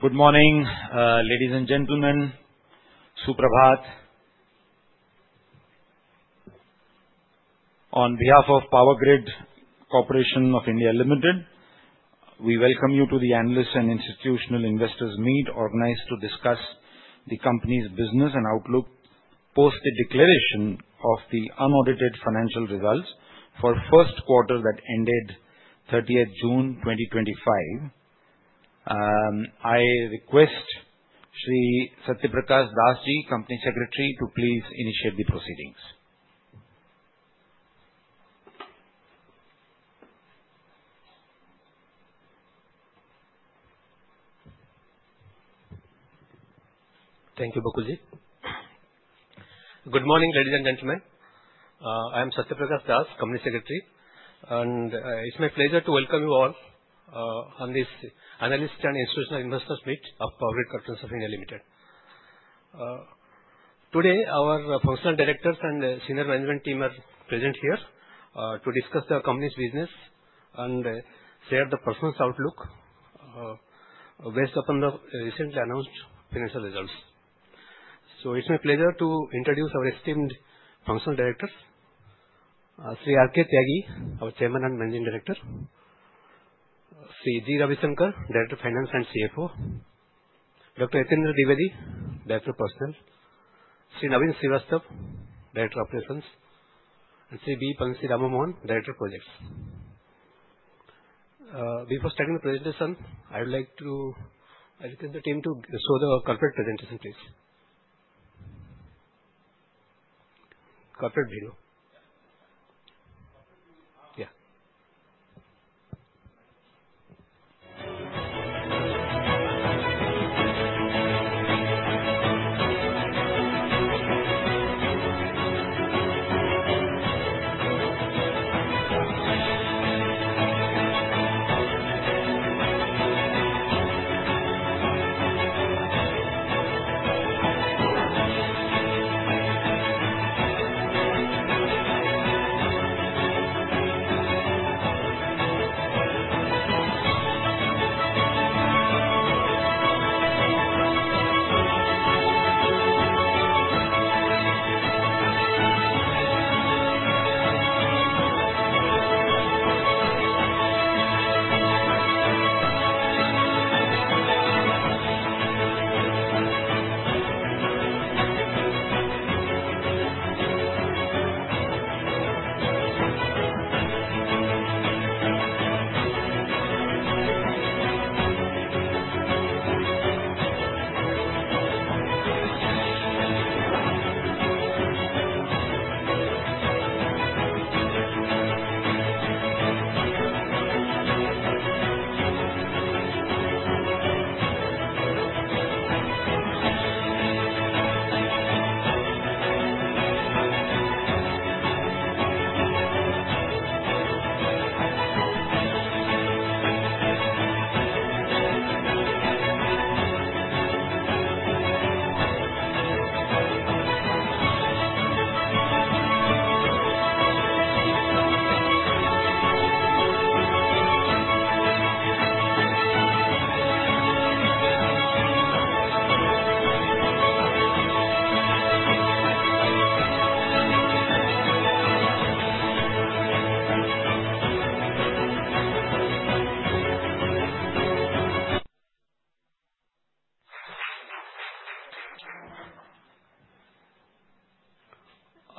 Good morning, ladies and gentlemen. Suprabhat. On behalf of Power Grid Corporation of India Limited, we welcome you to the Analyst and Institutional Investors' Meet organized to discuss the company's business and outlook post the declaration of the unaudited financial results for the first quarter that ended 30th June, 2025. I request Shri Satyaprakash Dash ji, Company Secretary, to please initiate the proceedings. Thank you, Vakul ji. Good morning, ladies and gentlemen. I am Satyaprakash Dash, Company Secretary, and it's my pleasure to welcome you all on this Analyst and Institutional Investors' Meet of Power Grid Corporation of India Limited. Today, our Functional Directors and Senior Management team are present here to discuss the company's business and share the performance outlook based upon the recently announced financial results. It's my pleasure to introduce our esteemed Functional Directors: Shri R. K. Tyagi, our Chairman and Managing Director; Shri G. Ravisankar, Director (Finance) and CFO; Dr. Yatindra Dwivedi, Director (Personnel); Shri Naveen Srivastava, Director (Operations); and Shri Vamsi Rama Mohan Burra, Director (Projects). Before starting the presentation, I would like to request the team to show the corporate presentation, please corporate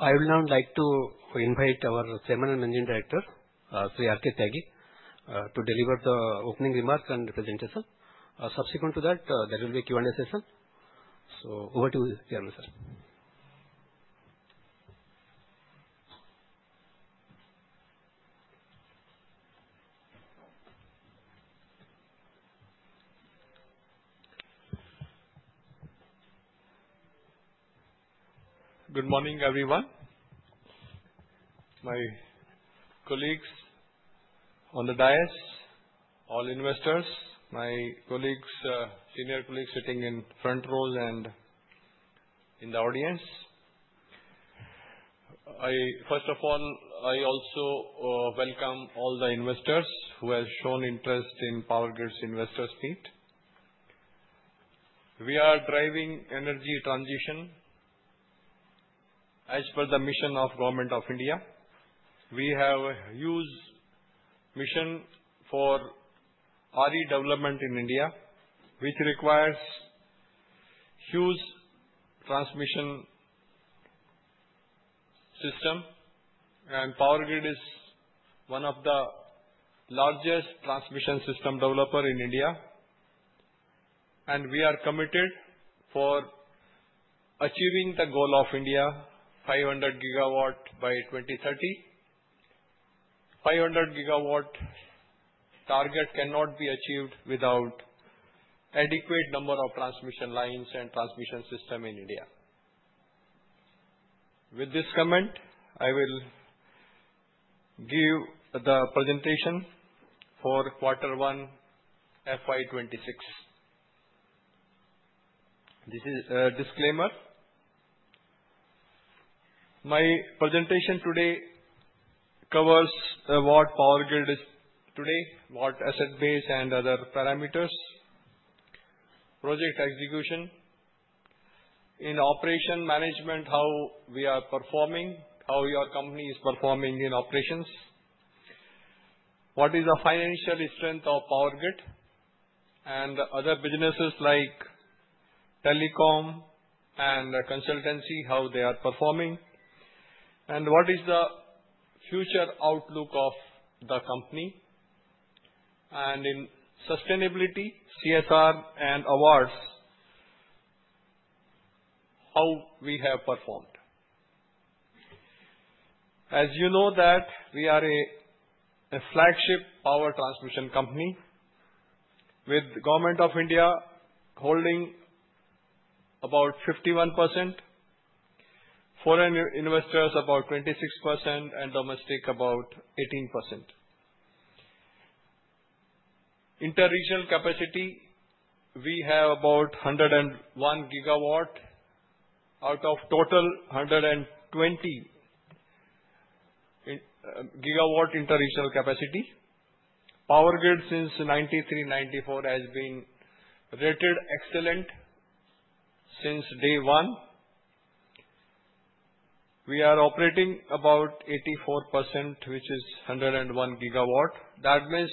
video. Yeah. I would now like to invite our Chairman and Managing Director, Shri R. K. Tyagi, to deliver the opening remarks and presentation. Subsequent to that, there will be a Q&A session, so over to you, Chairman Sir. Good morning, everyone. My colleagues on the dais, all investors, my colleagues, senior colleagues sitting in front rows and in the audience, first of all I also welcome all the investors who have shown interest in POWERGRID's Investors' Meet. We are driving energy transition as per the mission of Government of India. We have used mission for RE development in India, which requires huge transmission system, and POWERGRID is one of the largest transmission system developers in India. We are committed for achieving the goal of India 500 GW by 2030. 500 GW target cannot be achieved without adequate number of transmission lines and transmission system in India. With this comment, I will give the presentation for Q1 FY26. This is a disclaimer. My presentation today covers what POWERGRID is today, what asset base and other parameters, project execution, in operation management how we are performing, how your company is performing in operations, what is the financial strength of POWERGRID and other businesses like telecom and consultancy, how they are performing, and what is the future outlook of the company. And in sustainability, CSR, and awards, how we have performed. As you know, that we are a flagship power transmission company with Government of India holding about 51%, foreign investors about 26%, and domestic about 18%. Inter-regional transfer capacity, we have about 101 GW out of total 120 GW inter-regional capacity. POWERGRID, since 1993-1994 has been rated "Excellent" since day one. We are operating about 84%, which is 101 GW. That means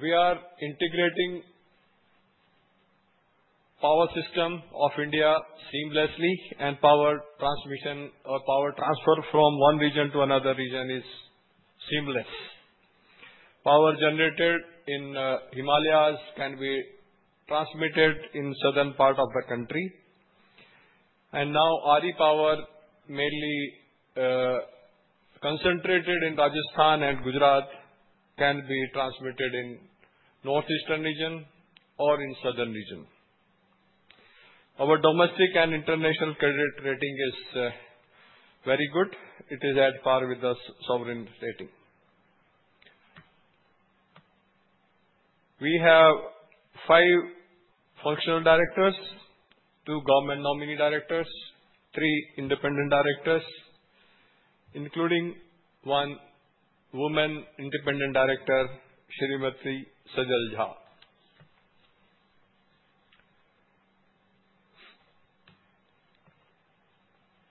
we are integrating power system of India seamlessly, and powered transmission or power transfer from one region to another region is seamless. Power generated in Himalayas can be transmitted in southern part of the country. Now RE power mainly concentrated in Rajasthan and Gujarat can be transmitted in north-eastern region or in southern region. Our domestic and international credit rating is very good. It is at par with the sovereign rating. We have five Functional Directors, two Government Nominee Directors, three Independent Directors, including one-woman Independent Director, Smt. Sajal Jha.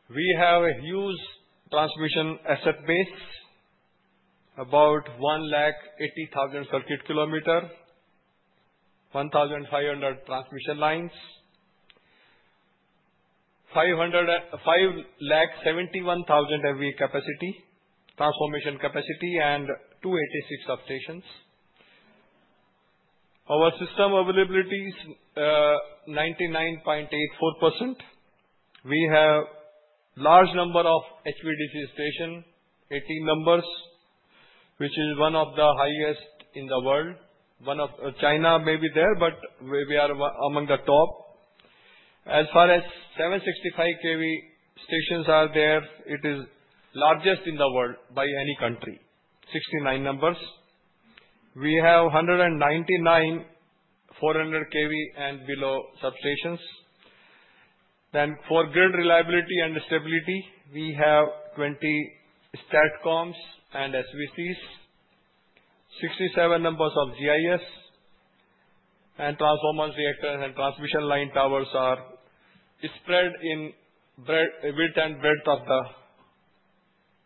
We have a huge transmission asset base, about 1,80,000 circuit kilometers, 1,500 transmission lines, and 5,71,000 MVA transformation capacity, and 286 substations. Our system availability is 99.84%. We have large number of HVDC stations, 18 numbers, which is one of the highest in the world. China may be there, but we are among the top. As far as 765kV stations are there, it is largest in the world by any country, 69 numbers. We have 199 400kV and below substations. For grid reliability and stability, we have 20 STATCOMs and SVCs, 67 numbers of GIS and transformer reactor and transmission line towers are spread in width and breadth of the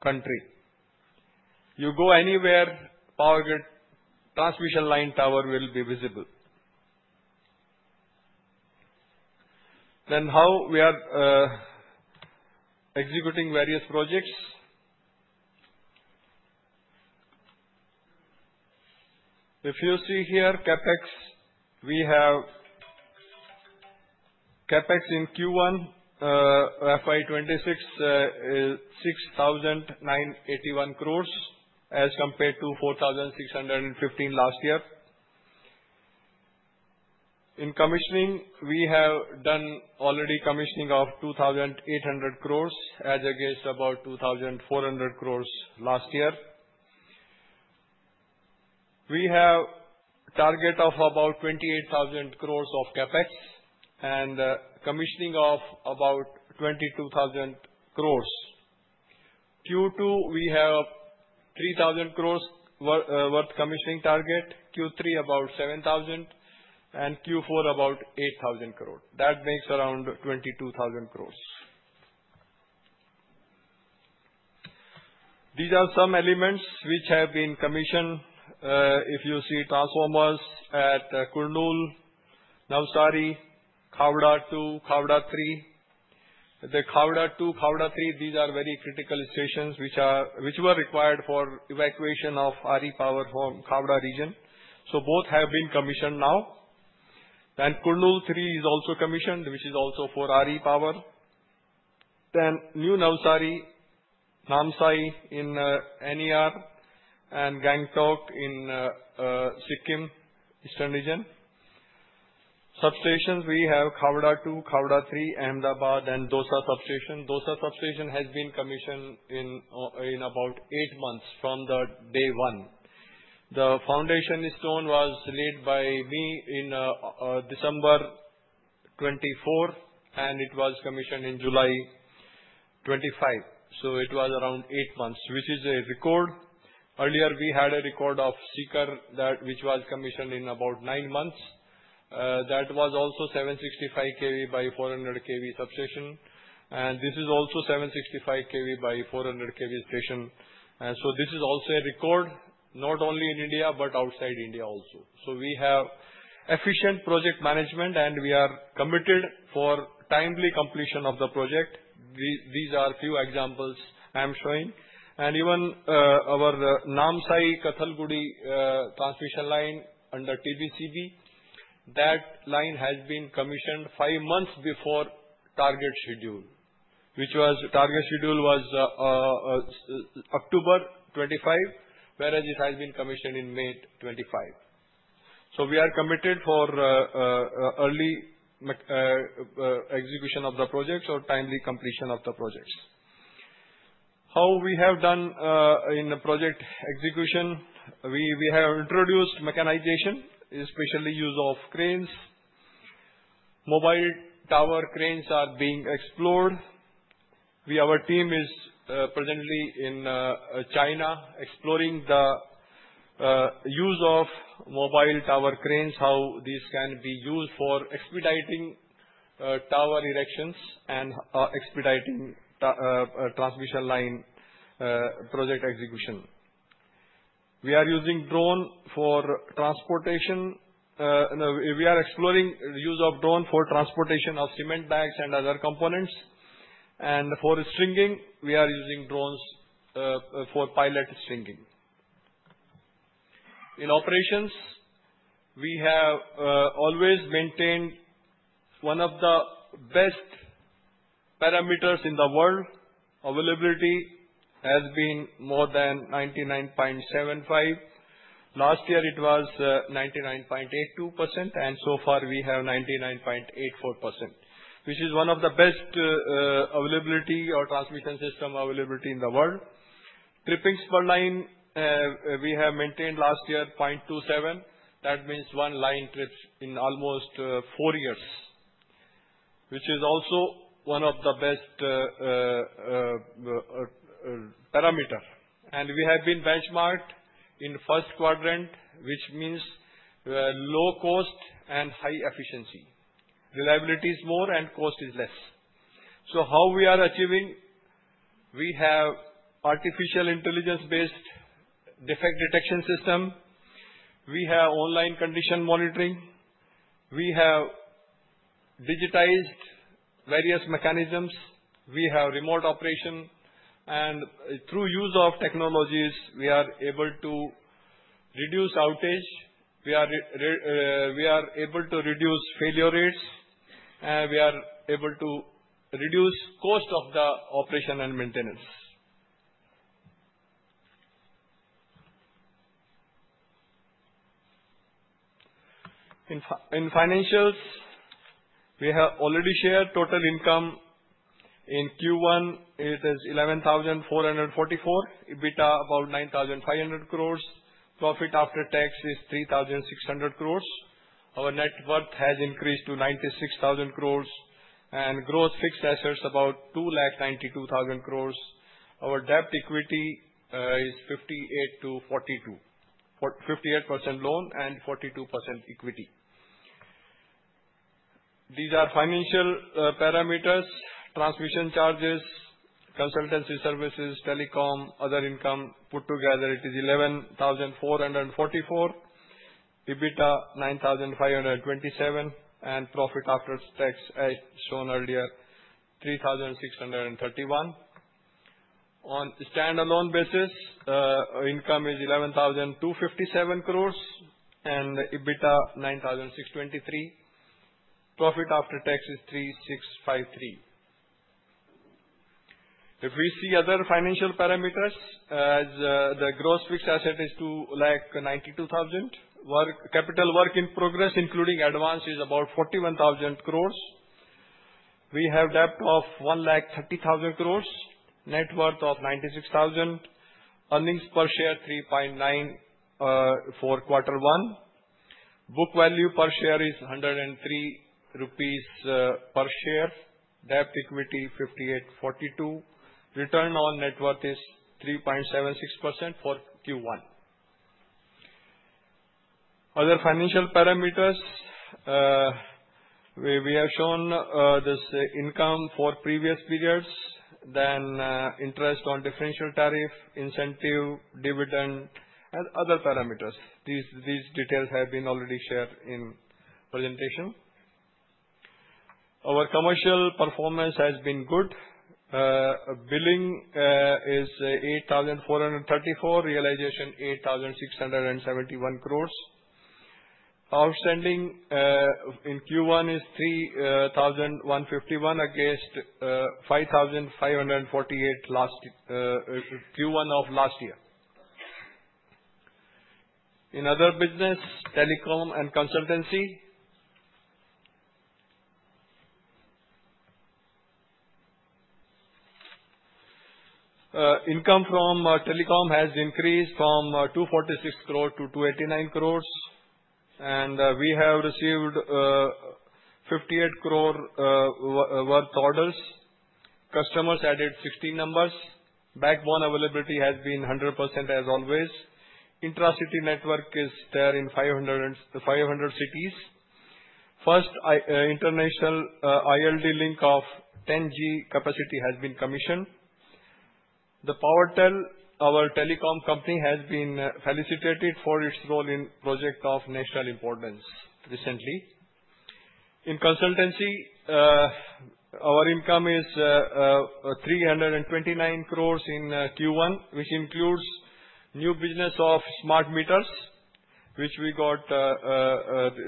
country. You go anywhere, POWERGRID transmission line tower will be visible. Then how we are executing various projects. If you see here, CapEx we have CapEx in Q1 FY26 is 6,981 crore rupees as compared to 4,615 crore last year. In commissioning, we have already done commissioning of 2,800 crore as against about 2,400 crore last year. We have a target of about 28,000 crore of CapEx and commissioning of about 22,000 crore. Q2 we have 3,000 crore worth commissioning target, Q3 about 7,000 crore, and Q4 about 8,000 crore. That makes around 22,000 crore. These are some elements which have been commissioned. If you see transformers at Kurnool, Navsari, Khavda-II, Khavda-III, the Khavda-II Khavda-III, these are very critical stations, which were required for evacuation of RE power from Khavda region. Both have been commissioned. Kurnool-III is also commissioned, which is also for RE power. New Navsari, Namsai in NER, and Gangtok in Sikkim Eastern Region substations, we have Khavda-II, Khavda-III, Ahmedabad, and Dausa substation. Dausa substation has been commissioned in about eight months from day one. The foundation stone was laid by me in December 2024 and it was commissioned in July 2025. It was around eight months, which is a record. Earlier, we had a record of Sikar that was commissioned in about nine months. That was also 765 kV by 400 kV substation, and this is also 765 kV by 400 kV station. This is also a record not only in India but outside India also. We have efficient project management. We are committed for timely completion of the project. These are a few examples I am showing. Even our Namsai-Kathalguri transmission line under TBCB, that line has been commissioned five months before target schedule, which was target schedule was October 2025, whereas it has been commissioned in May 2025. We are committed for early execution of the projects or timely completion of the projects. How we have done in project execution? We have introduced mechanization, especially use of cranes. Mobile tower cranes are being explored. Our team is presently in China exploring the use of mobile tower cranes now. These can be used for expediting tower erections and expediting transmission line project execution. We are using drones for transportation. We are exploring use of drone for transportation of cement bags and other components, and for stringing. We are using drones for pilot stringing. In operations, we have always maintained one of the best parameters in the world. Availability has been more than 99.75%. Last year it was 99.82% and so far we have 99.84% which is one of the best availability or transmission system availability in the world. Tripping per line, we have maintained last year at 0.27. That means one line trips in almost four years, which is also one of the best parameters. We have been benchmarked in the first quadrant, which means low cost and high efficiency. Reliability is more and cost is less. How are we achieving? We have artificial Intelligence-based defect detection system. We have online condition monitoring. We have digitized various mechanisms. We have remote operation, and through use of technologies, we are able to reduce outage, we are able to reduce failure rates, and we are able to reduce cost of the operation and maintenance. In financials, we have already shared total income in Q1, it is 11,444 crore, EBITDA about 9,500 crore, profit after tax is 3,600 crore. Our net worth has increased to 96,000 crore, and gross fixed assets about 2,92,000 crore. Our debt-equity is 58 to 42, 58% loan and 42% equity. These are financial parameters. Transmission charges, consultancy services, telecom, other income put together, it is 11,444 crore, EBITDA 9,527 crore, and profit after tax as shown earlier 3,631 crore. On standalone basis, income is 11,257 crore and EBITDA 9,623 crore profit after tax is 3,653 crore. If we see other financial parameters as the gross fixed asset is 2,92,000 crore. Capital work in progress including advance is about 41,000 crore. We have debt of 1,30,000 crore, net worth of 96,000 crore. Earnings per share 3.9 for quarter one. Book value per share is 103 crore rupees per share. Debt-equity 58:42. Return on net worth is 3.76% for Q1. Other financial parameters. We have shown this income for previous periods. Interest on differential tariff, incentive, dividend, and other parameters. These details have been already shared in presentation. Our commercial performance has been good. Billing is 8,434 crore, Realization 8,671 crore, Outstanding in Q1 is 3,151 crore against 5,548 crore Q1 of last year. In other business, telecom and consultancy income from telecom has increased from 246 crore to 289 crore, and we have received 58 crore total. Customers added 16 numbers. Backbone availability has been 100%. As always, intra-city network is there in 500 cities. First international ILD link of 10G capacity has been commissioned. The Powertel, our telecom company, has been felicitated for its role in project of national importance. Recently, in consultancy, our income is 329 crore in Q1, which includes new business of smart meters, which we got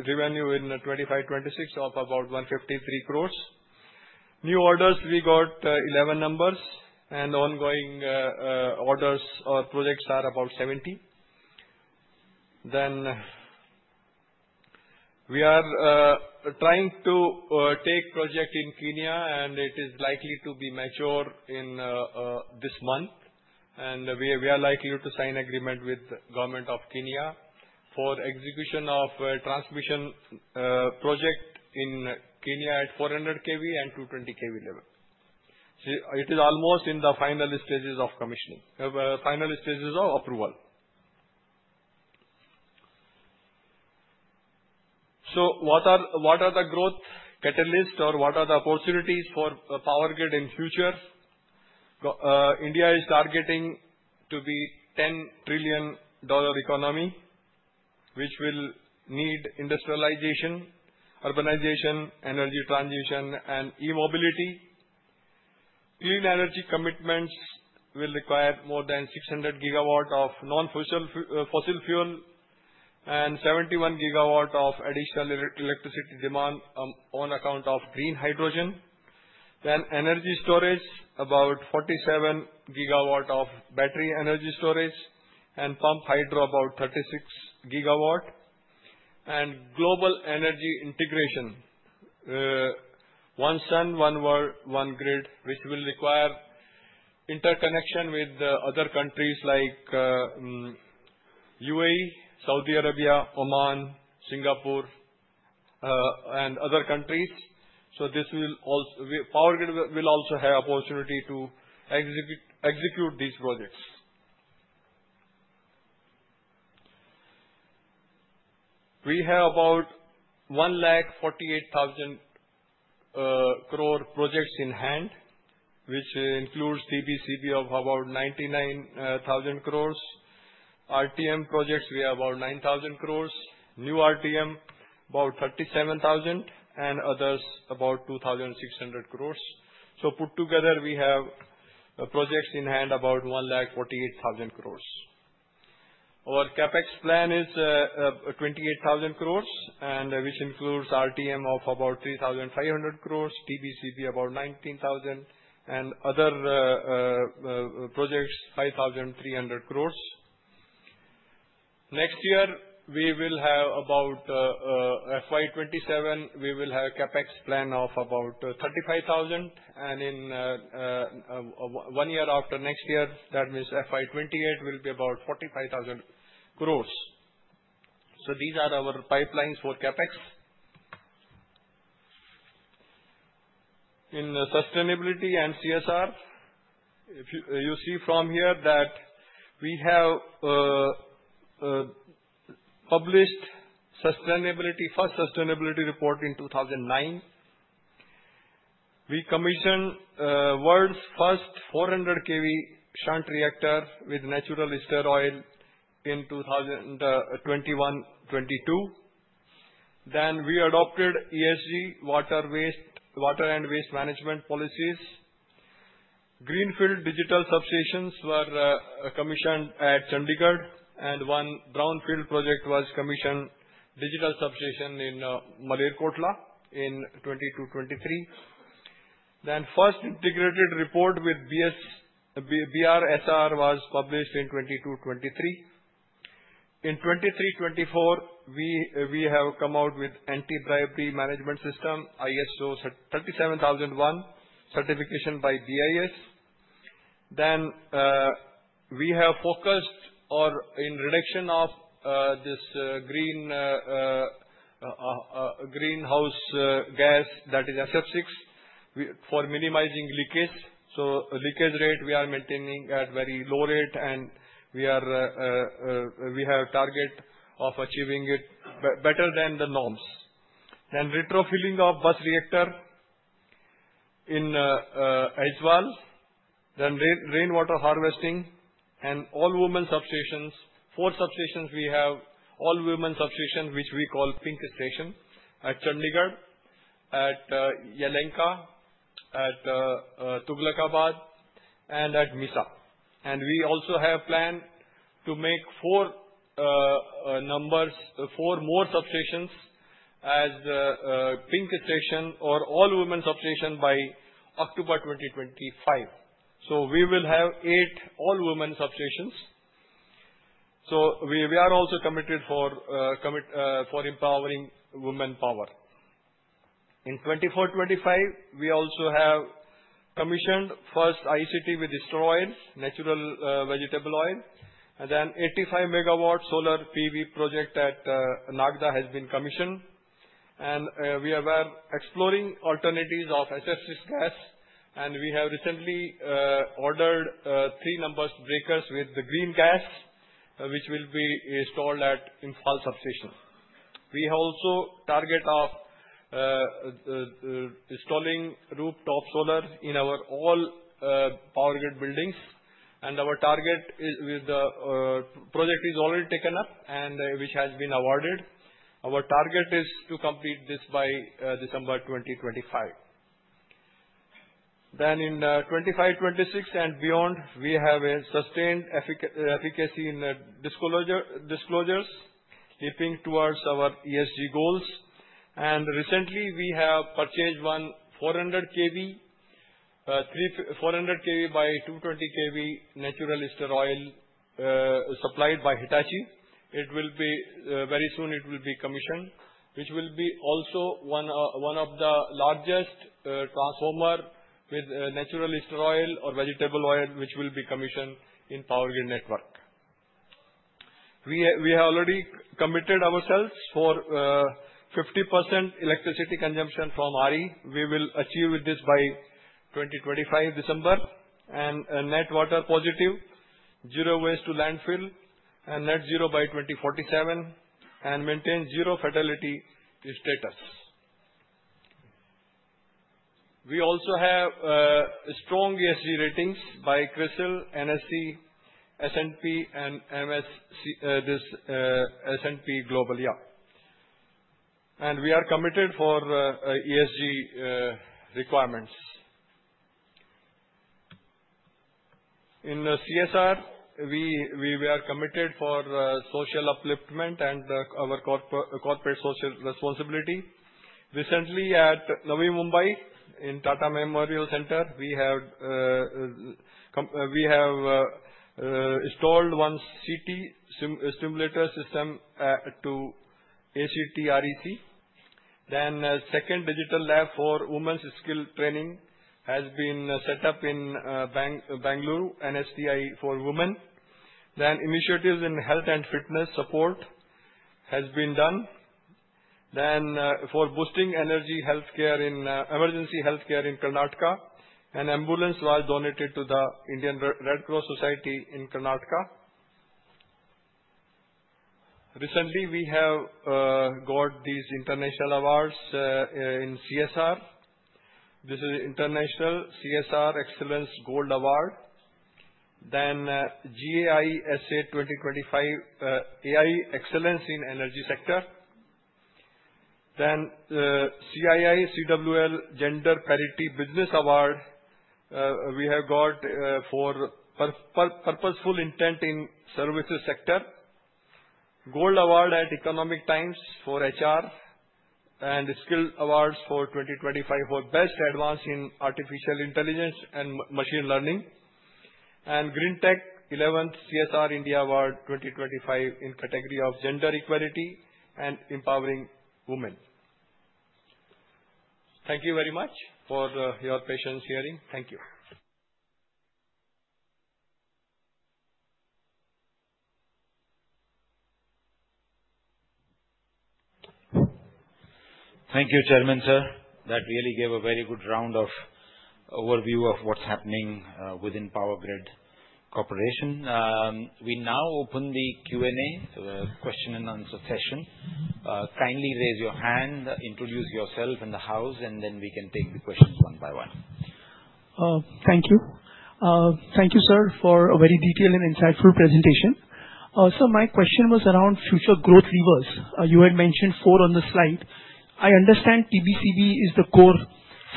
revenue in 2025-2026 of about 153 crore. New orders we got 11 numbers and ongoing orders or projects are about 70. We are trying to take project in Kenya, and it is likely to be mature in this month, and we are likely to sign agreement with Government of Kenya for execution of transmission project in Kenya at 400 kV and 220 kV level. It is almost in the final stages of commissioning, final stages of approval. What are the growth catalysts or what are the opportunities for POWERGRID in future? India is targeting to be a $10 trillion economy, which will need industrialization, urbanization, energy transition, and e-mobility. Clean energy commitments will require more than 600 GW of non-fossil fuel and 71 GW of additional electricity demand on account of green hydrogen, then energy storage about 47 GW of battery energy storage and pump hydro about 36 GW and global energy integration—One sun, One world, One grid, which will require interconnection with other countries like UAE, Saudi Arabia, Oman, Singapore, and other countries. This will also POWERGRID will also have opportunity to execute these projects. We have about 148,000 crore projects in hand, which includes TBCB of about 99,000 crore. RTM projects we have about 9,000 crore, new RTM about 37,000 and others about 2,600 crore. Put together, we have projects in hand about 1,48,000 crore. Our CapEx plan is 28,000 crore, which includes RTM of about 3,500 crore, TBCB about 19,000 crore, and other projects 5,300 crore. Next year we will have about FY27. We will have CapEx plan of about 35,000 crore, and in one year after next year, that means FY28, will be about 45,000 crore. These are our pipelines for CapEx. In sustainability and CSR, you see from here that we have published the first sustainability report in 2009. We commissioned the world's first 400 kV shunt reactor with natural ester oil in 2021-2022. We adopted ESG water and waste management policies. Greenfield digital substations were commissioned at Chandigarh, and one brownfield project was commissioned, a digital substation in Malerkotla, in 2022-2023. The first integrated report with BRSR was published in 2022-2023. In 2023-2024, we have come out with Anti-Bribery Management System ISO 37001 certification by BIS. We have focused on reduction of this greenhouse gas, that is SF6, for minimizing leakage. We are maintaining the leakage rate at a very low rate, and we have a target of achieving it better than the norms. Retrofilling of bus reactor in Aizawl, rainwater harvesting, and all-women substations. Four substations, we have all-women substations, which we call Pink Stations, at Chandigarh, at Yelahanka, at Tughlakabad and at Misa. We also have plan to make four numbers, four more substations as Pink Stations or all-women substation by October 2025, so we will have eight all-women substations. So, we are also committed for empowering women power in 2024-2025. We also have commissioned first ICT with ester oil, natural vegetable oil and then 85 MW solar PV project at Nagda has been commissioned. And we were exploring alternatives of SF6 gas, and we have recently ordered three number breakers with the green gas, which will be installed at Imphal substation. We also target of installing rooftop solar in our all POWERGRID buildings. Our target with the project is already taken up and which has been awarded; our target is to complete this by December 2025. In 2025-2026 and beyond, we have a sustained efficacy in disclosures leaping towards our ESG goals. Recently, we have purchased one 400 kV by 220 kV natural ester oil supplied by Hitachi. It will be very soon it will be commissioned, which will be also one of the largest transformer with natural ester oil or vegetable oil, which will be commissioned in POWERGRID network. We have already committed ourselves for 50% electricity consumption from RE. We will achieve this by December 2025 and net-water-positive, zero-waste to- landfill, and net zero by 2047, and maintain zero-fatality status. We also have strong ESG ratings by CRISIL, NSE, and S&P Global. Yeah. We are committed for ESG requirements. In CSR we are committed for social upliftment and our corporate social responsibility. Recently, at Navi Mumbai in Tata Memorial Centre, we have installed one CT stimulator system to ACTREC. The second digital lab for women's skill training has been set up in Bangalore NSTI for women. Initiatives in health and fitness support have been done. For boosting energy health care in emergency health care in Karnataka, an ambulance was donated to the Indian Red Cross Society in Karnataka. Recently, we have got these international awards in CSR. This is International CSR Excellence Gold Award. Then GAISA 2025—AI Excellence in Energy Sector. Then CII-CWL Gender Parity Business Award. We have got for Purposeful Intent in Services Sector, Gold Award at Economic Times for HR and Skill Awards for 2025 for Best Advance in Artificial Intelligence and Machine Learning and Greentech 11th CSR India Award 2025 in category of Gender Equality and Empowering Women. Thank you very much for your patience hearing. Thank you. Thank you, Chairman sir. That really gave a very good round of overview of what's happening within POWERGRID Corporation. We now open the Q&A session. Kindly raise your hand, introduce yourself and the house, and then we can take the questions one by one. Thank you. Thank you sir for a very detailed and insightful presentation. My question was around future growth levers. You had mentioned four on the slide. I understand TBCB is the core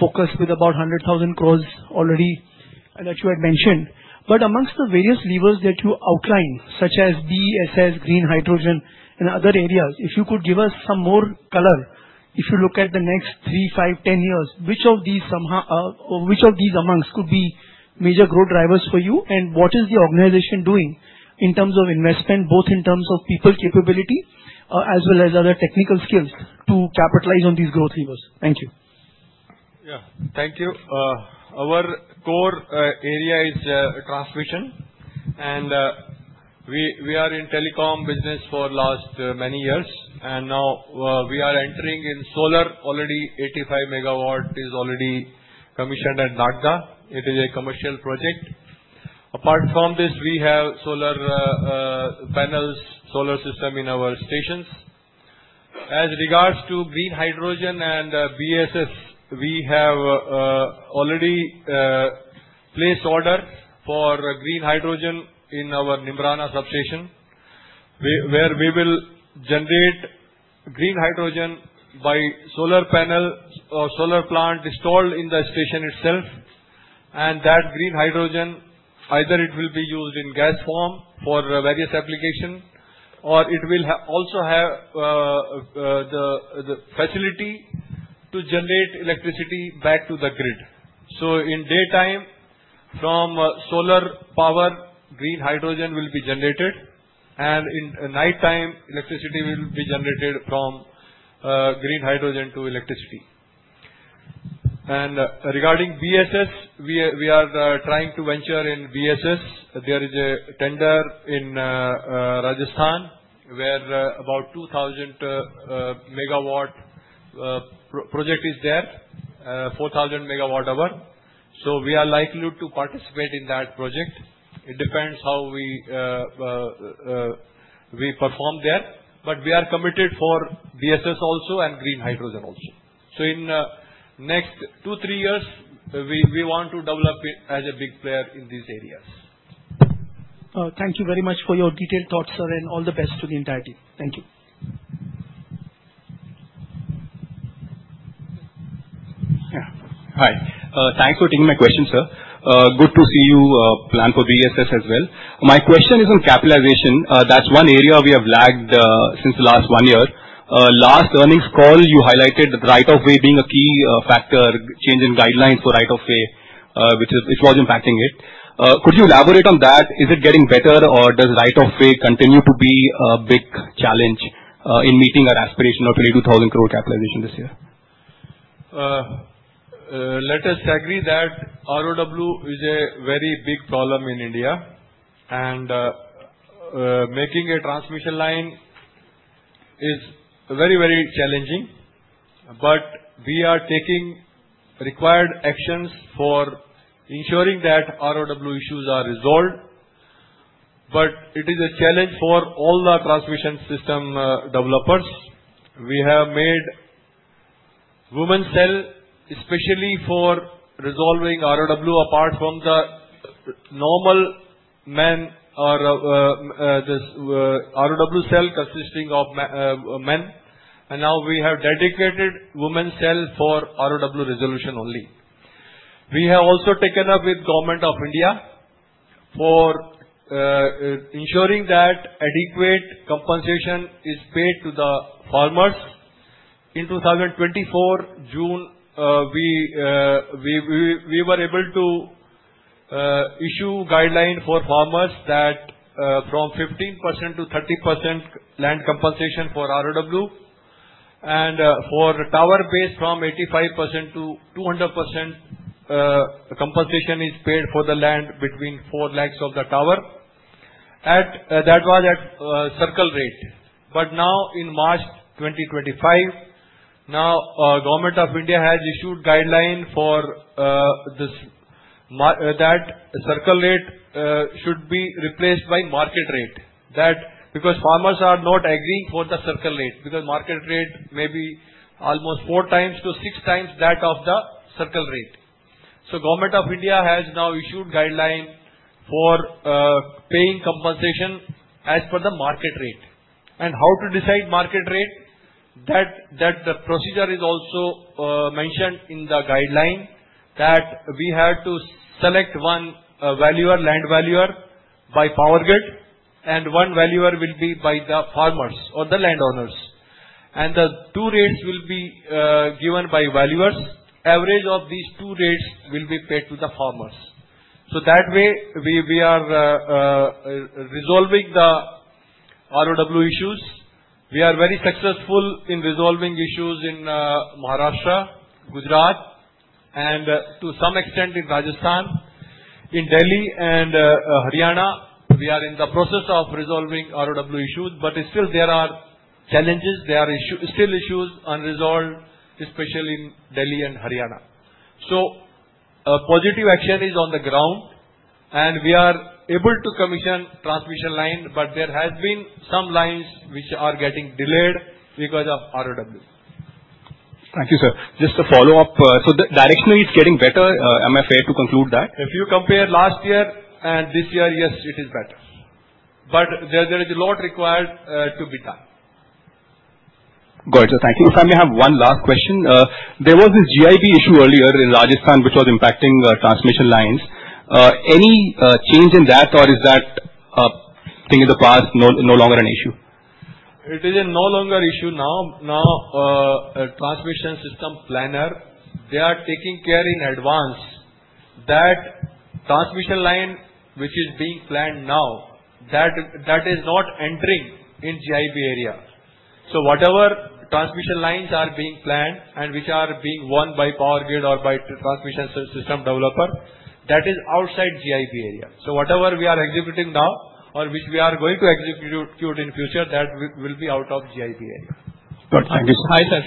focus with about 100,000 crore already that you had mentioned. Amongst the various levers that you outline such as BESS, green hydrogen in other areas, if you could give us some more color. If you look at the next three, five, 10 years, which of these could be major growth drivers for you? And what is the organization doing in terms of investment, both in terms of people capability as well as other technical skills, to capitalize on these growth levers? Thank you. Thank you. Our core area is transmission and we are in telecom business for last many years. Now we are entering in solar, already 85 MW is already commissioned at Nagda. It is a commercial project. Apart from this, we have solar panels, solar system in our stations. As regards to green hydrogen and BESS, we have already placed order for green hydrogen in our Neemrana substation where we will generate green hydrogen by solar panel or solar plant installed in the station itself. Green hydrogen, either it will be used in gas form for various applications, or it will also have the facility to generate electricity back to the grid. In day time, from solar power, green hydrogen will be generated, and in night time, electricity will be generated from green hydrogen to electricity. And regarding BESS, we are trying to venture in BESS. There is a tender in Rajasthan where about 2,000 MW project is there, 4,000 MWh. We are likely to participate in that project. It depends how we perform there. But we are committed for BESS also and green hydrogen also. In the next tthree years, we want to develop it as a big player in these areas. Thank you very much for your detailed thoughts, sir and all the best to the entire team. Thank you. Hi. Thanks for taking my question, sir. Good to see you plan for BESS as well. My question is on capitalization. That's one area we have lagged since the last one year. Last earnings call you highlighted right-of-way being a key factor. Change in guidelines for right-of-way which was impacting it. Could you elaborate on that? Is it getting better, or does right-of-way continue to be a big challenge in meeting our aspiration of 22,000 crore capitalization this year? Let us agree that ROW is a very big problem in India. Making a transmission line is very, very challenging. We are taking required actions for ensuring that ROW issues are resolved. It is a challenge for all the transmission system developers. We have made women cell especially for resolving ROW apart from the normal men or this ROW cell consisting of men. Now we have dedicated women cell for ROW resolution only. We have also taken up with Government of India for ensuring that adequate compensation is paid to the farmers. In June 2024, we were able to issue guidelines for farmers that from 15% to 30% land compensation for ROW and for tower base from 85% to 200% compensation is paid for the land between four legs of the tower. That was at circle rate. But now in March 2025, now Government of India has issued guideline for this. That circle rate should be replaced by market rate, because farmers are not agreeing for the circle rate. Market rate may be almost four times to six times that of the circle rate. Government of India has now issued guideline for paying compensation as per the market rate. How to decide market rate? That. That. The procedure is also mentioned in the guideline that we had to select one valuer, land valuer by POWERGRID, and one valuer will be by the farmers or the landowners. The two rates will be given by valuers. Average of these two rates will be paid to the farmers. That way, we are resolving the ROW issues. We are very successful in resolving issues in Maharashtra, Gujarat, and to some extent in Rajasthan. In Delhi and Haryana, we are in the process of resolving ROW issues, but still there are challenges. There are still issues unresolved, especially in Delhi and Haryana. Positive action is on the ground. And we are able to commission transmission line. But there have been some lines which are getting delayed because of ROW. Thank you, sir. Just a follow-up. The directionally, is it getting better. Am I fair to conclude that? You compare last year and this year, yes, it is better but there is a lot required to be done. Got it. Thank you. If I may have one last question. There was this GIB issue earlier in Rajasthan which was impacting transmission lines. Any change in that or is that thing in the past, no longer an issue? It is no longer issue now. Now transmission system planner, they are taking care in advance that transmission line which is being planned now, that is not entering in GIB area. Whatever transmission lines are being planned, and which are being won by POWERGRID or by transmission system developer, that is outside GIB area. Whatever we are executing now or which we are going to execute in future, that will be out of GIB area. Hi sir!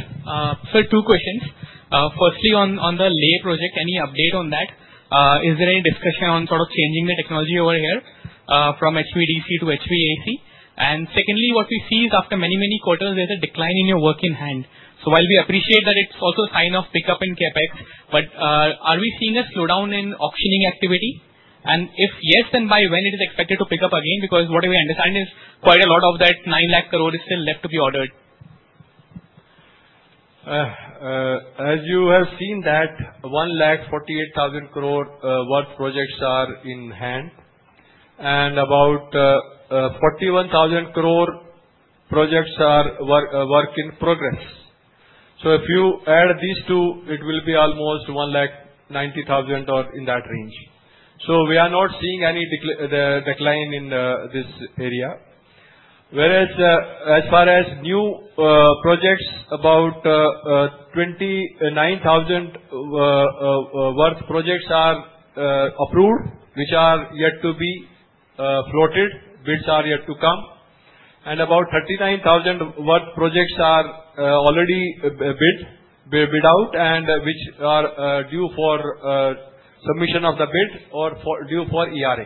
Sir, two questions. Firstly, on the Leh project, any update on that? Is there any discussion on sort of changing the technology over here from HVDC to HVAC? Secondly, what we see is after many, many quarters there's a decline in your work in hand. While we appreciate that, it's also a sign of pickup in CapEx, but are we seeing a slowdown in auctioning activity? And if yes, then by when is it expected to pick up again? Because what we understand is quite a lot of that 9 lakh crore is still left to be ordered. As you have seen that 1,48,000 crore worth projects are in hand and about 41,000 crore projects are work in progress. If you add these two, it. will be almost 1,90,000 crore or in that range. We are not seeing any decline in this area whereas as far as new projects, about 29,000 crore worth of projects are approved which are yet to be floated, bids are yet to come. And about 39,000 crore worth of projects are already bid out and are due for submission of the bids or due for e-RA.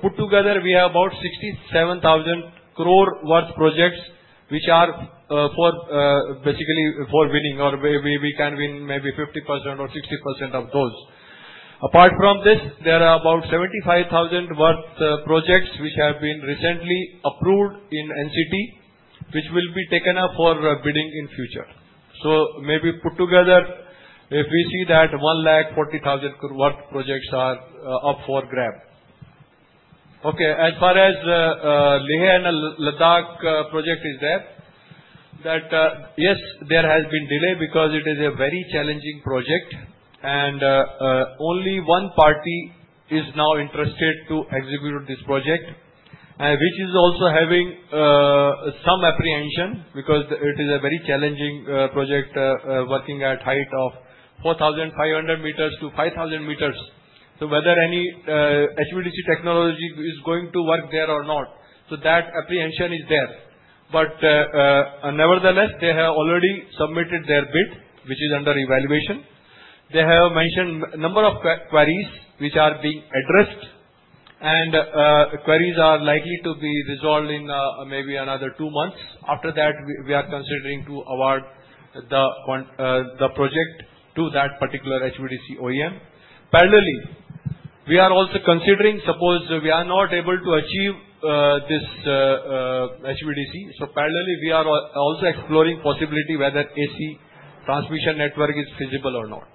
Put together, we have about 67,000 crore worth of projects which are basically for winning, or we can win maybe 50% or 60% of those. Apart from this, there are about 75,000 crore worth of projects which have been recently approved in NCT, which will be taken up for bidding in future. Maybe put together, if we see that 1,40,000 projects are up for grab. Okay, as far as Leh and Ladakh project is there, yes, there has been delay because it is a very challenging project, and only one party is now interested to execute this project which is also having some apprehension because it is a very challenging project working at height of 4,500 meters to 5,000 meters. Whether any HVDC technology is going to work there or not, that apprehension is there. Nevertheless, they have already submitted their bid, which is under evaluation. They have mentioned number of queries which are being addressed, and queries are likely to be resolved in maybe another two months. After that, we are considering to award. the project to that particular HVDC OEM. Parallelly, we are also considering, suppose we are not able to achieve this HVDC, so parallelly, we are also exploring the possibility whether AC transmission network is feasible or not.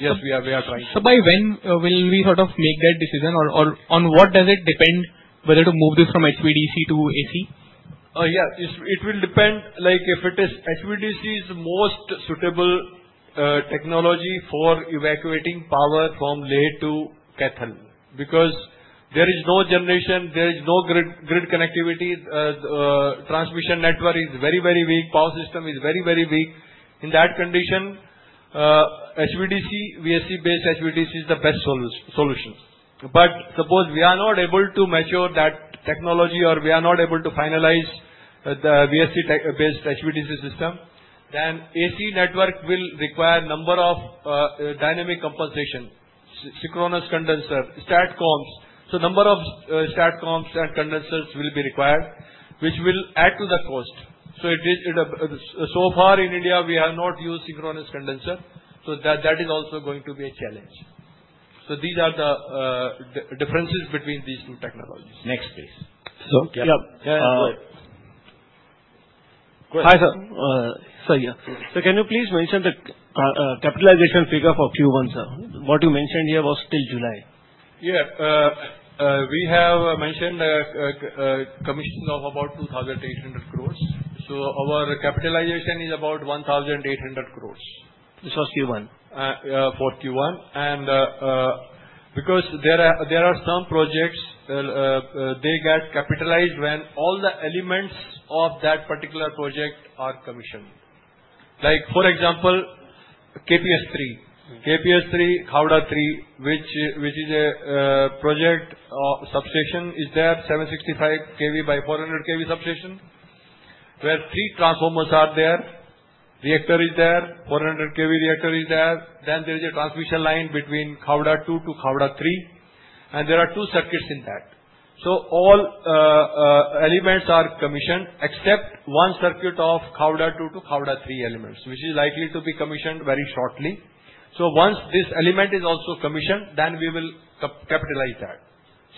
Yes, we are trying. By when will we sort of make that decision, or on what does it depend, whether to move this from HVDC to AC? Yeah, it will depend. Like if it is HVDC is most suitable technology for evacuating power from Leh to Kaithal because there is no generation, there is no grid connectivity. The transmission network is very, very weak, power system is very, very weak. In that condition, HVDC VSC-based HVDC, is the best solution. Suppose we are not able to mature that technology or we are not able to finalize the VSC-based HVDC system. The AC network will require a number of dynamic compensation synchronous condenser STATCOMs, so a number of STATCOMs and condensers will be required, which will add to the cost. In India, we have not used synchronous condenser, so that is also going to be a challenge. These are the differences between these two technologies. Next please. Hi sir, can you please mention the capitalization figure for Q1? Sir, what you mentioned here was still July. Yeah, we have mentioned commission of about 2,800 crore. Our capitalization is about 1,800 crore. This was Q1? For Q1 [and because] there are some projects, they get capitalized when all the elements of that particular project are commissioned. Like for example, KPS-3, KPS-3 Khvda-III which is a project substation, is there, 765 kV by 400 kV substation, where three transformers are there, reactor is there, 400 kV reactor is there, then there is a transmission line between Khavda-II to Khavda-III and there are two circuits in that. All elements are commissioned except one circuit of Khavda-II to Khavda-III elements, which is likely to be commissioned very shortly. Once this element is also commissioned, then we will capitalize that.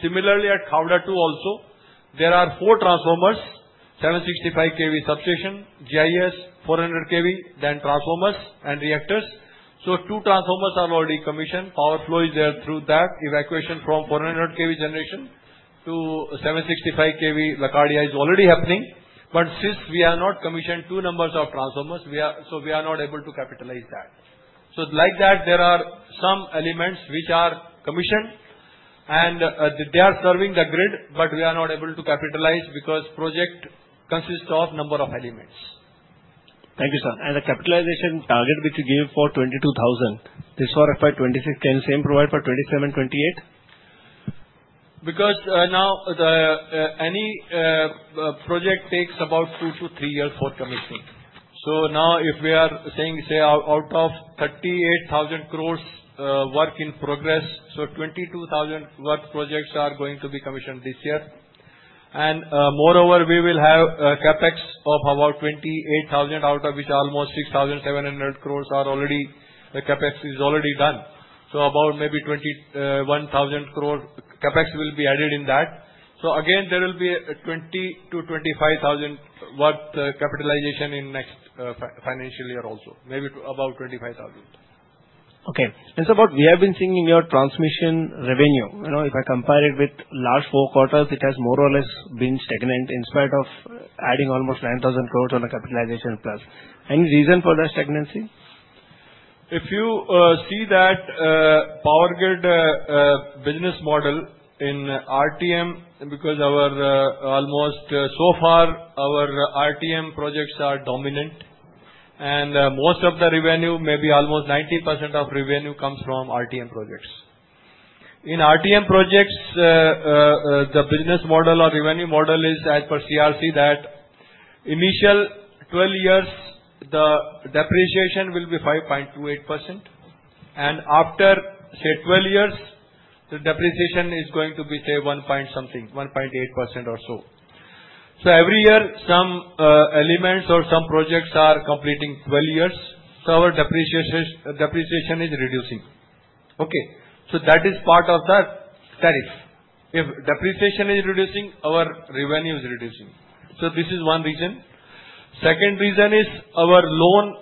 Similarly, at Khavda-II also, there are four transformers. 765 kV substation, GIS 400 kV, then transformers and reactors. Two transformers are already commissioned. Power flow is there through that evacuation from 400 kV generation to 765 kV, Lakadia is already happening. but since we have not commissioned two numbers of transformers, so we are not able to capitalize that. So, like that, there are some elements which are commissioned, and they are serving the grid, but we are not able to capitalize because the project consists of a number of elements. Thank you, sir. The capitalization target which you gave for 22,000 crore, this for FY26, can same provide for 2027-2028? Because now any project takes about two to three years for commission. If we are saying out, of 38,000 crore work in progress, so 22,000 crore work projects are going to be commissioned this year. Moreover, we will have CapEx of about 28,000 crore out of which almost 6,700 crore are already the CapEx is already done. About 21,000 crore CapEx will be added in that. So again, there will be 20,000- 25,000 crore worth capitalization in next financial year also maybe about 25,000 crore. Okay. And sir, what we have been seeing in your transmission revenue, you know, if I compare it with the last four quarters, it has more or less been stagnant in spite of adding almost 9,000 crore on a capitalization plus. Any reason for the stagnancy? If you see that POWERGRID's business model in RTM, because almost so far our RTM projects are dominant and most of the revenue, maybe almost 90% of revenue comes from RTM projects. In RTM projects, the business model or revenue model is as per CERC that initial 12 years, the depreciation will be 5.28% after say 12 years, the depreciation is going to be say one point something, 1.8% or so. Every year, some elements or some projects are completing 12 years, so our depreciation, depreciation is reducing. That is part of the tariff. If depreciation is reducing, our revenue is reducing. This is one reason. The second reason is our loan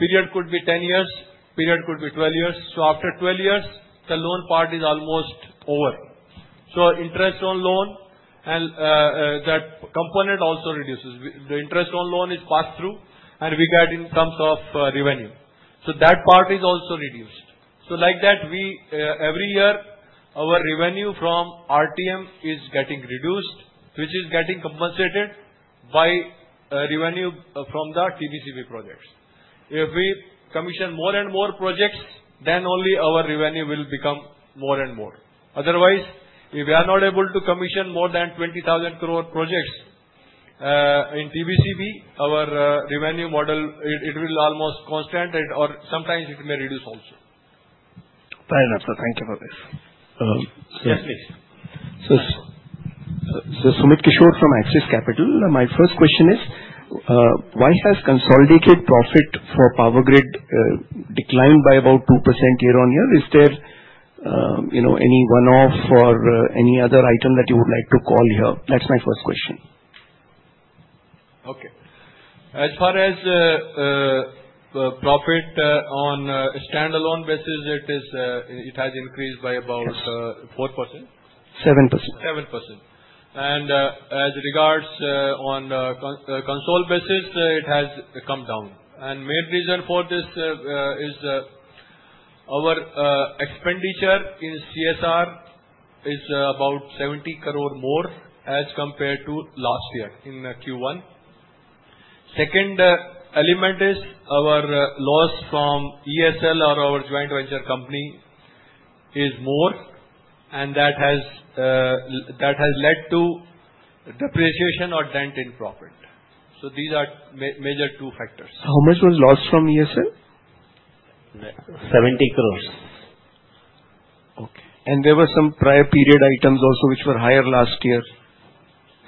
period could be 10 years, the period could be 12 years. After 12 years, the loan part is almost over. So, interest on loan and that component also reduces. The interest on loan is pass through and we get in terms of revenue. So that part is also reduced. Like that, every year our revenue from RTM is getting reduced, which is getting compensated by revenue from the TBCB projects. If we commission more and more projects, then only our revenue will become more and more. Otherwise, if we are not able to commission more than 20,000 crore projects in TBCB, our revenue model, it will almost cost constant, and or sometimes it may reduce also. Fair enough. Thank you for this. Yes please. Sumit Kishore from Axis Capital. My first question is, why has consolidated profit for POWERGRID declined by about 2% year-on-year? Is there, you know, any one-off or any other item that you would like to call here? That's my first question. Okay. As far as profit on standalone basis, it has increased by about 4%, 7%. 7%. As regards on consolidated basis, it has come down. The main reason for this is our expenditure in CSR, is about 70 crore more as compared to last year in Q1. Second element is our loss from EESL, our joint venture company is more. That has led to depreciation or dent in profit. These are major two factors. How much was lost from EESL? 70 crore. Okay. There were some prior-period items also, which were higher last year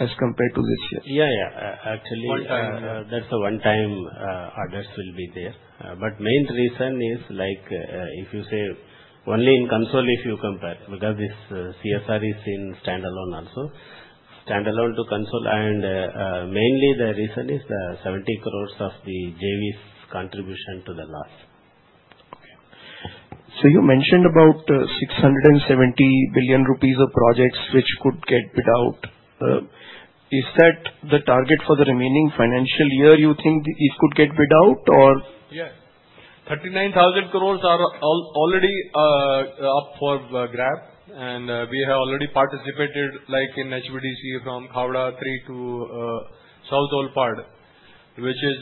as compared to this year. Actually, that's a one-time order that will be there. The main reason is, if you say only in console if you compare because this CSR is in standalone also. Standalone to console and mainly, the reason is, the 70 crore of the JV's contribution to the loss. You mentioned about 670 billion rupees of projects which could get bid out. Is that the target for the remaining financial year? You think this could get bid out or...? Yeah. 39,000 crore are already up for grab. We have already participated in HVDC from Khavda III to South Olpad, which is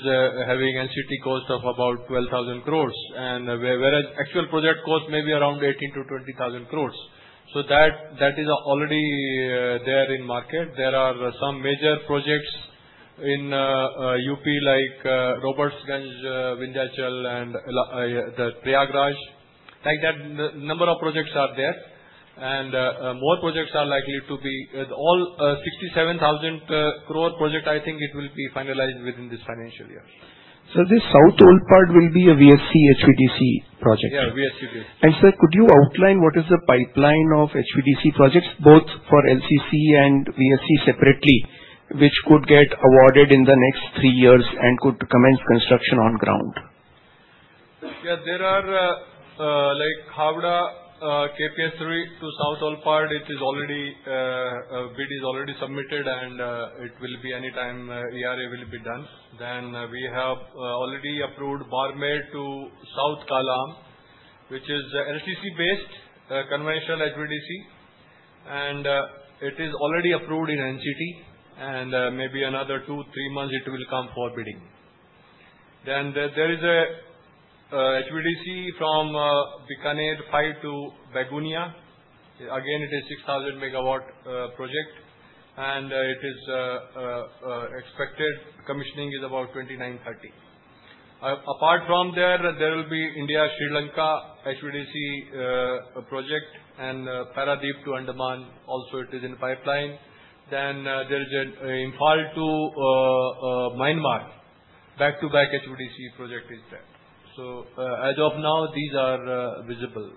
having NCT cost of about 12,000 crore whereas actual project cost may be around 18,000-20,000 crores. That is already there in the market. There are some major projects in UP like Roberts Ganj, Vindhyachal and Prayagraj, like that, a number of projects are there and more projects are likely to be all 67,000 crore project I think, it will be finalized within this financial year. This South Olpad will be a VSC HVDC project? Ya, VSC project. Sir, could you outline what is the pipeline of HVDC projects, both for LCC and VSC separately which could get awarded in the next three years and could commence construction on ground? Yeah, there are like Khavda KPS-3 South Olpad, it is already bid, is already submitted, and it will be anytime, e-RA will be done. We have already approved Barmer to South Kalamb, which is LCC-based conventional HVDC, and it is already approved in NCT and maybe another two, three months it will come for bidding. There is a HVDC from Bikaner-V to Begunia again, it is, 6000 MW project, and it is expected commissioning is about 2029-2030. Apart from there, there will be India-Sri Lanka HVDC project and Paradeep to Andaman also in pipeline. There is Imphal to Myanmar. Back-to-back HVDC project is there. So, as of now, these are visible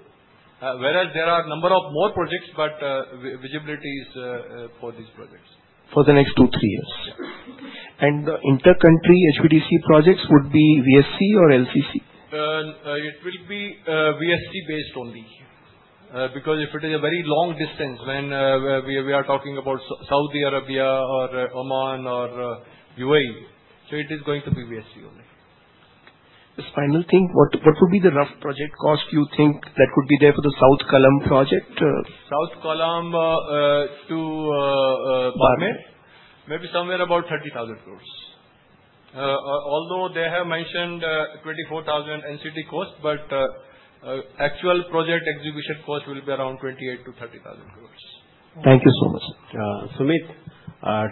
whereas there are a number of more projects, but visibility is for these projects. The next two, three years. And inter-country HVDC projects would be VSC or LCC? It will be VSC based only because if it is a very long distance, when we are talking about Saudi Arabia or Oman or UAE. So, it is going to be VSC only. Just final thing, what what would be the rough project cost you think that could be there for the South Kalamb project? South Kalamb to Barmer? Maybe somewhere about 30,000 crore. Although they have mentioned 24,000 crore NCT cost. But actual project execution cost will be around 28,000-30,000 crore. Thank you so much. Sumit,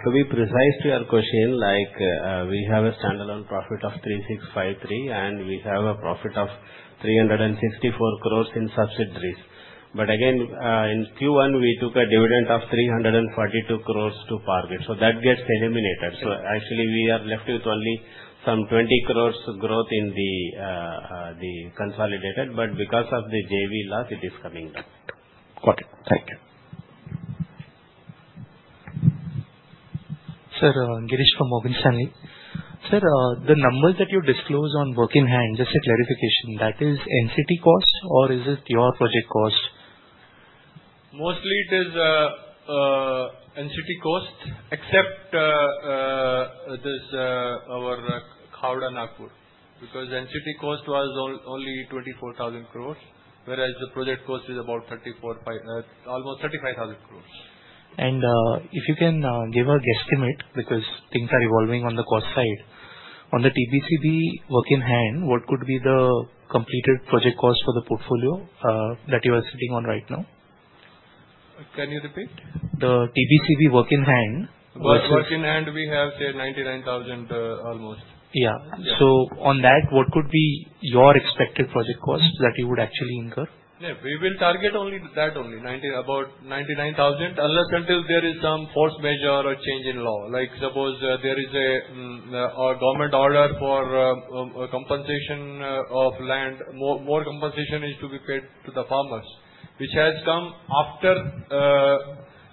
to be precise to your question, we have a standalone profit of 3,653 crore and we have a profit of 364 crore in subsidiaries. Again, in Q1 we took a dividend of 342 crore to POWERGRID, which gets eliminated. Actually, we are left with only some 20 crore growth in the consolidated, and because of the JV loss, it is coming down. Got it. Thank you. Sir, Girish from Morgan Stanley. Sir, the numbers that you disclose on work in hand, just a clarification, is that NCT cost or is it your project cost? Mostly it is NCT cost, except this our Khavda and Nagpur, because NCT cost was only 24,000 crore, whereas the project cost is about almost 35,000 crore. If you can give a guess estimate, because things are evolving on the cost side. On the TBCB work in hand, what could be the completed project cost for the portfolio that you are sitting on right now? Can you repeat? the TBCB work in hand versus... Work in hand we have said 99,000 crore almost. Yeah, on that, what could be your expected project cost that you would actually incur? We will target only that only, about 99,000 crore unless until there is some force majeure or change in law. Like suppose there is a government order for compensation of land, more compensation is to be paid to the farmers which has come after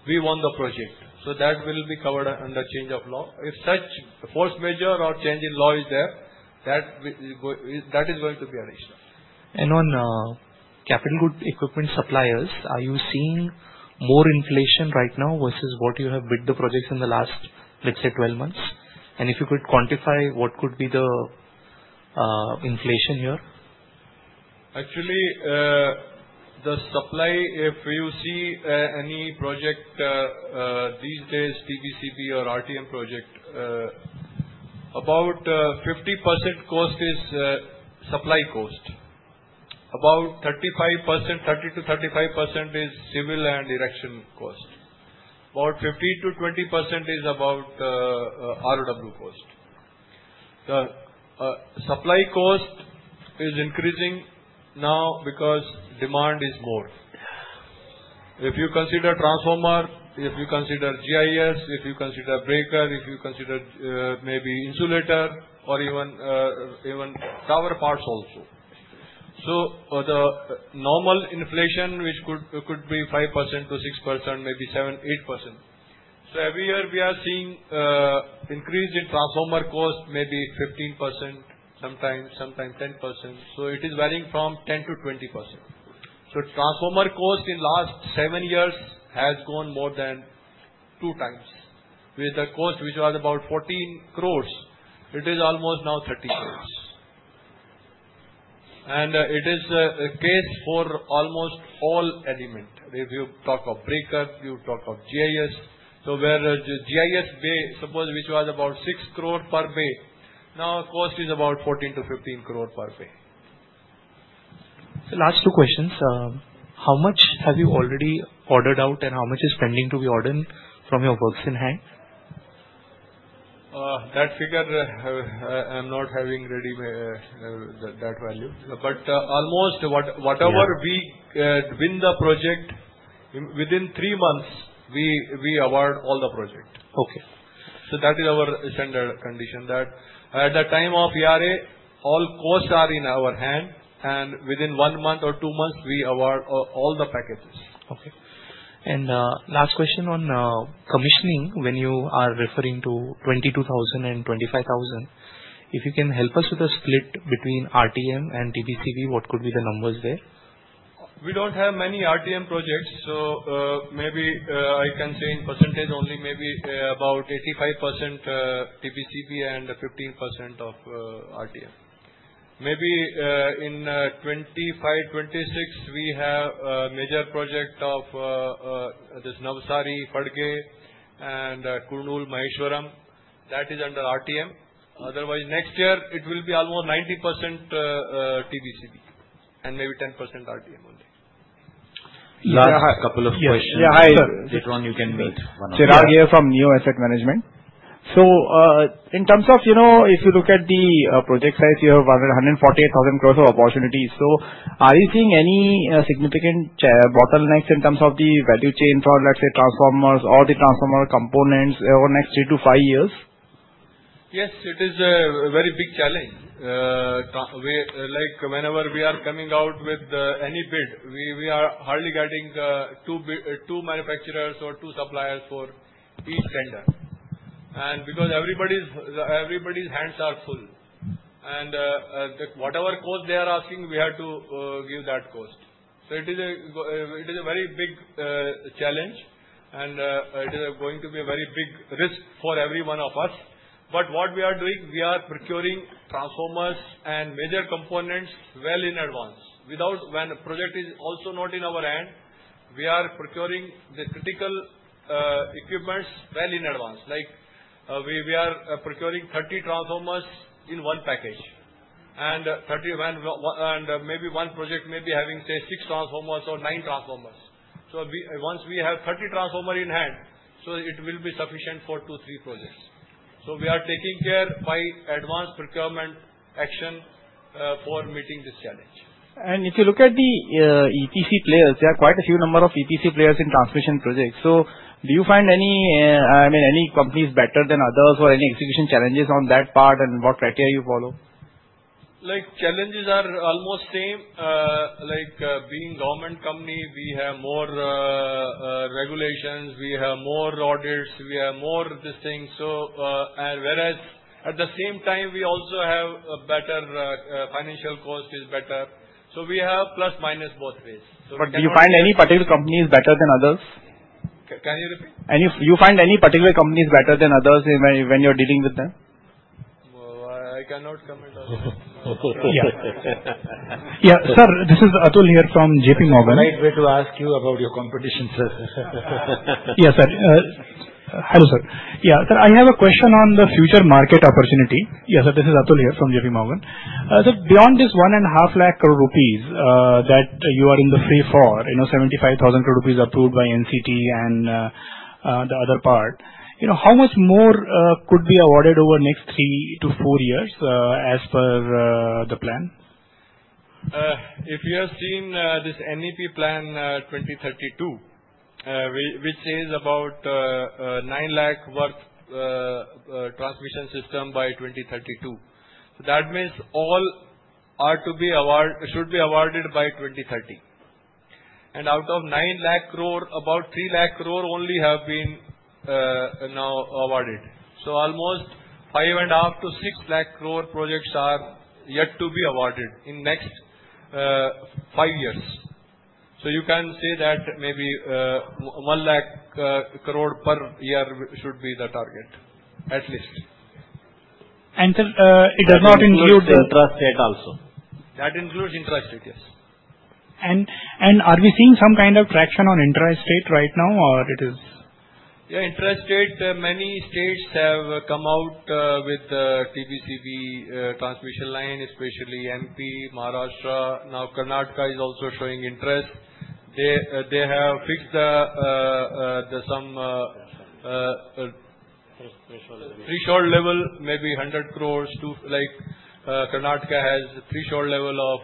we won the project. That will be covered under change of law. If such force majeure or change in law is there, that is going to be an issue. On capital good equipment suppliers, are you seeing more inflation right now versus what you have bid the projects in the last, let's say, 12 months? If you could quantify what could be the inflation here? Actually, the supply, if you see any project these days, TBCB or RTM project, about 50% cost is supply cost. About 35%, 30-35% is civil and erection cost. About 15-20% is about ROW cost. Supply cost is increasing now because demand is more. If you consider transformer, if you consider GIS, if you consider breaker, if you consider maybe insulator or even tower parts also. So, the normal inflation could be 5-6%, maybe 7%, 8%. Every year we are seeing increase in transformer cost, maybe 15%, sometimes 10%. It is varying from 10-20%. Transformer cost in last seven years has gone more than two times with, the cost, which was about 14 crore, it is almost now 30 crore. It is a case for almost all element, If you talk of breaker, you talked of GIS. Where GIS bay, suppose which was about 6 crore per bay, now cost is about 14-15 crore per bay. Last two questions, how much have you already ordered out, and how much is pending to be ordered from your works in hand? That figure, I am not having ready, that value. But almost whatever we win the project, within three months, we award all the project. Okay. That is our standard condition at the time of e-RA, all costs are in our hand, and within one month or two months, we award all the packages. Okay. Last question on commissioning, when you are referring to 22,000 crore and 25,000 crore, if you can help us with the split between RTM and TBCB, what could be the numbers there? We don't have many RTM projects. I can say in percentage only, maybe about 85% TBCB and 15% of RTM. In 2025-2026, we have major projects of this Navsari, Padghe, and Kurnool, Maheshwaram, that is under RTM. Otherwise, next year it will be almost 90% TBCB and maybe 10% RTM only. Last couple of questions, - - later on you can meet one on one. Chirag here from Neo Asset Management. In terms of, you know, if, you look at the project size, you have 1,48,000 crore of opportunities. Are you seeing any significant bottlenecks in terms of the value chain for, let's say, transformers or the transformer components over the next three to five years? Yes, it is a very big challenge. Whenever we are coming out with any bid, we are hardly getting two manufacturers or two suppliers for each vendor. Because everybody's hands are full and whatever cost they are asking, we have to give that cost. It is a very big challenge, it is going to be a very big risk for every one of us. What we are doing, we are procuring transformers and major components well in advance. When a project is also not in our hand, we are procuring the critical equipment well in advance. Like we are procuring 30 transformers in one package. Maybe one project may be having, say, six transformers or nine transformers. Once we have 30 transformers in hand, so it will be sufficient for two to three projects. We are taking care by advanced procurement action for meeting this challenge. If you look at the EPC players, there are quite a few number of EPC players in transmission projects. Do you find any, I mean, any companies better than others or any execution challenges on that part, and what criteria you follow? Challenges are almost same. Like being government company, we have more regulations, we have more audits, we have more these things. At the same time, we also have a better financial cost. It is better, so we have plus minus both ways. Do you find any particular company is better than others? Can you repeat? If you find any particular companies better than others when you are dealing with them? I cannot comment on that. Yes sir, this is Atul here from JPMorgan. Right way to ask you about your competition, sir. Yes, sir. Hello, sir. Yeah, I have a question on the future market opportunity. Yes sir, this is Atul here from JPMorgan. Beyond this 1.5 lakh crore rupees that you are in the free for, you know, 75,000 crore rupees approved by NCT. The other part, you know how much more could be awarded over next three to four years as per the plan? If you have seen this NEP plan 2032, which says about 9 lakh worth transmission system by 2032. That means all are to be awarded by 2030. Out of 9 lakh crore, about 3 lakh crore only have been now awarded. Almost 5.5 to 6 lakh crore projects are yet to be awarded in the next five years. You can say that maybe 1 lakh crore per year should be the target at least. Until it does not include - - And it includes intrastate also. - [That includes intrastate] Yes. And, are we seeing some kind of traction on intrastate right now or it is? Intrastate, many states have come out with TBCB transmission line, especially MP Maharashtra, now Karnataka is also showing interest. They have fixed some free short level, maybe 100 crore. Like Karnataka has threshold level of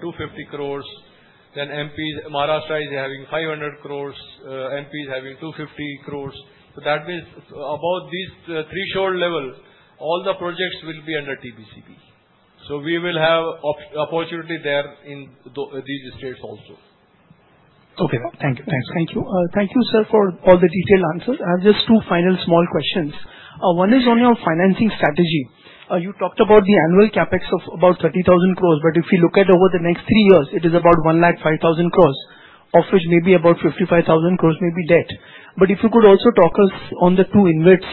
250 crore. Maharashtra is having 500 crore, MP is having 250 crore. That means above these threshold level, all the projects will be under TBCB. We will have opportunity there in these states also. Okay, thank you. Thanks. Thank you, sir, for all the detailed answers. I have just two final small questions. One is on your financing strategy. You talked about the annual CapEx of about 30,000 crore. If you look at over the next three years, it is about 1,05,000 crore, of which maybe about 55,000 crore may be debt. If you could also talk us on the two InvITs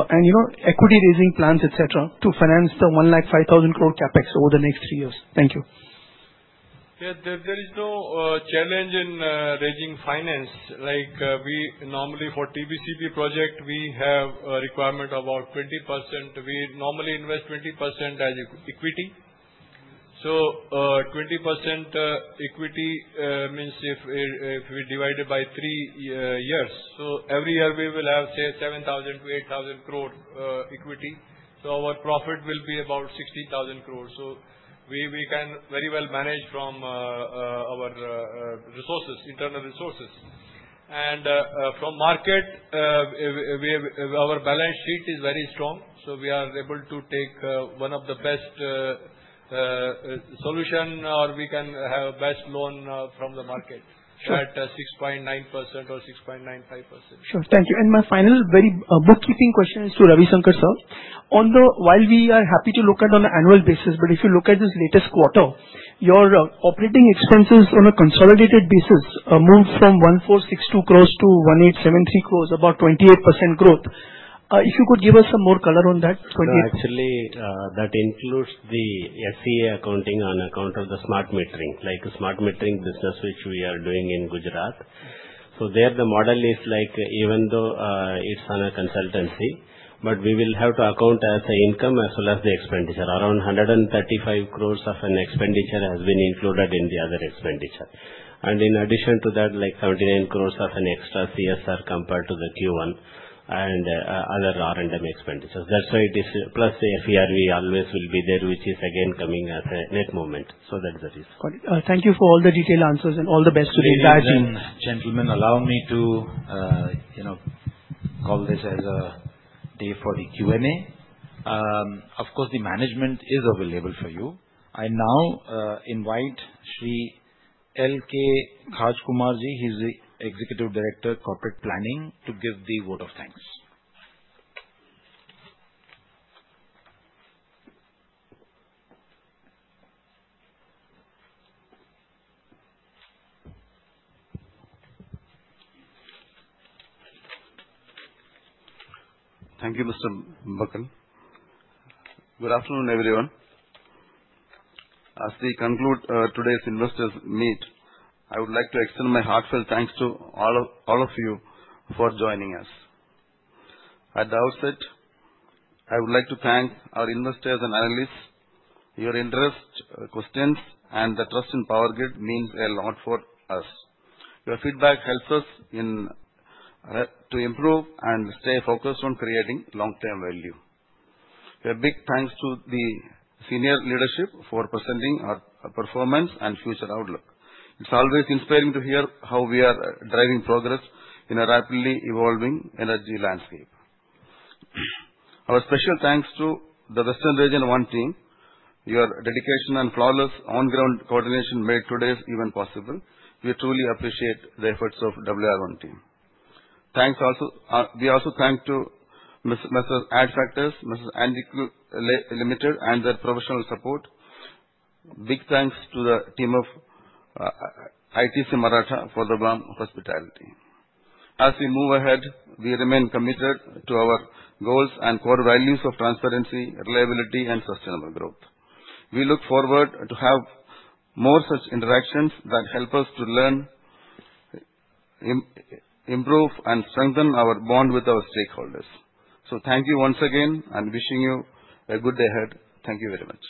and equity-raising plans, etc., to finance the 1,05,000 crore CapEx over the next three years. Thank you. There is no challenge in raising finance. Like we normally for TBCB project, we have a requirement about 20%. We normally invest 20% as equity. 20% equity means if we divide it by three years. Every year we will have, say 7,000 to 8,000 crore equity. Our profit will be about 16,000 crore. We can very well manage from our resources, internal resources, and from market. Our balance sheet is very strong, so we are able to take one of the best solution, or we can have best loan from the market at 6.9% or 6.95%. Sure. Thank you. My final very bookkeeping question is to G. Ravisankar sir. While we are happy to look at on an annual basis, if you look at this latest quarter your operating expenses on a consolidated basis moved from 1,462 crore to 1,873 crore. About 28% growth. If you could give us some more color on that. Actually, that includes the SCA accounting on account of the smart metering. Like smart metering business which we are doing in Gujarat. There, the model is like even though it's on a consultancy, we will have to account as the income as well as the expenditure. Around 135 crore of an expenditure has been included in the other expenditure. In addition to that, 79 crore of an extra CSR compared to the Q1 and other R&M expenditures. That's why it is, plus FERV always will be there, which is again coming as a net movement. That is. Thank you for all the detailed answers and all the best to the entire team. Ladies and gentlemen, allow me to call this as a day for the Q&A. Of course, the management is available for you. I now invite Shri L. K. Khajkumar ji, he is the Executive Director, Corporate Planning, to give the vote of thanks. Thank you, Mr. Vakul. Good afternoon, everyone. As we conclude today's investors' meet, I would like to extend my heartfelt thanks to all of you for joining us. At the outset, I would like to thank our investors and analysts. Your interest, questions, and the trust in POWERGRID means a lot for us. Your feedback helps us to improve and stay focused on creating long-term value. A big thanks to the senior leadership for presenting our performance and future outlook. It's always inspiring to hear how we are driving progress in a rapidly evolving energy landscape. Our special thanks to the Western Region-I team. Your dedication and flawless on-ground coordination made today even possible. We truly appreciate the efforts of the WR-I team. Thanks also. We also thank M/s. Adfactors, M/s. Antique Limited, and their professional support. Big thanks to the team of ITC Maratha for the warm hospitality. As we move ahead, we remain committed to our goals and core values of transparency, reliability, and sustainable growth. We look forward to have more such interactions that help us to learn, improve and strengthen our bond with our stakeholders. Thank you once again and wishing you a good day ahead. Thank you very much.